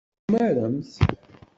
Tumaremt?